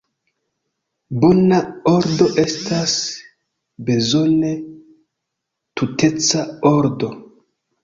Bona ordo estas bezone tuteca ordo.